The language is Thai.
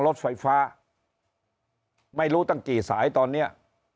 รถไฟฟ้าไม่รู้ตั้งกี่สายตอนเนี้ย